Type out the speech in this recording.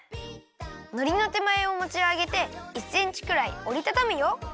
のりのてまえをもちあげて１センチくらいおりたたむよ。